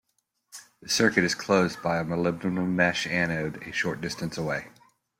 The circuit is closed by a molybdenum mesh anode a short distance away.